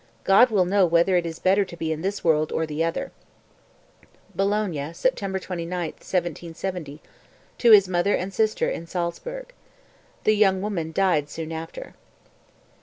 God will know whether it is better to be in this world or the other." (Bologna, September 29, 1770, to his mother and sister in Salzburg. The young woman died soon after.)